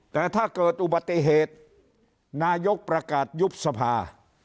แต่ถ้าเกิดอุบัติเหตุนายกประกาศยุบสภา